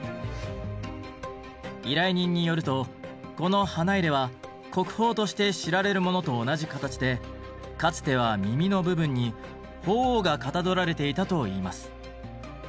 依頼人によるとこの花入は国宝として知られるものと同じ形でかつては耳の部分に鳳凰がかたどられていたといいます。